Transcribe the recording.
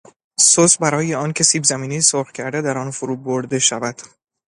سس برای آن که سیبزمینی سرخ کرده در آن فرو برده شود.